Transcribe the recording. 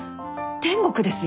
天国ですよ。